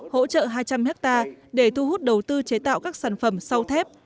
hỗ trợ hai trăm linh hectare để thu hút đầu tư chế tạo các sản phẩm sau thép